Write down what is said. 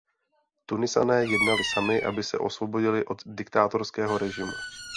Tunisané jednali sami, aby se osvobodili od diktátorského režimu.